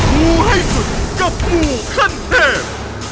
งูให้สุดกับงูขั้นเทพ